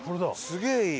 すげえいい！